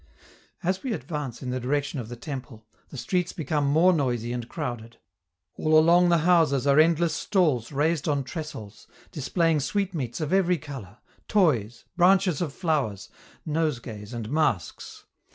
As we advance in the direction of the temple, the streets become more noisy and crowded. All along the houses are endless stalls raised on trestles, displaying sweetmeats of every color, toys, branches of flowers, nosegays and masks.